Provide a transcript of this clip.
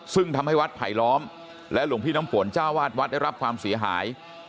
ซึ่งทำให้วัดไผลล้อมและหลวงพี่น้ำฝนเจ้าวาดวัดได้รับความเสียหาย